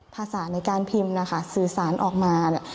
ภาษาในการพิมพ์สื่อสารออกมา